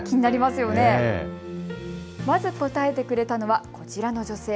まず答えてくれたのは、こちらの女性。